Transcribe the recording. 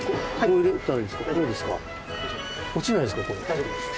大丈夫です。